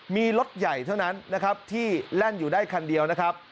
มีรถใหญ่เท่านั้นนะครับที่แล่นอยู่ได้คันเดียวนะครับ